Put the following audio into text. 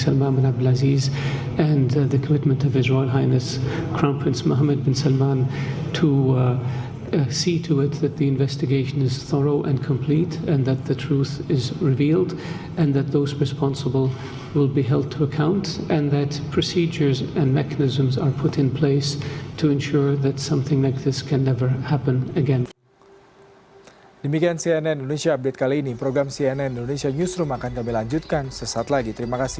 dan prosedur dan mekanisme yang dilakukan untuk memastikan hal seperti ini tidak akan berlaku lagi